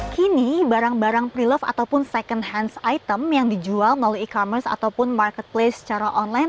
kini barang barang pre love ataupun second hands item yang dijual melalui e commerce ataupun marketplace secara online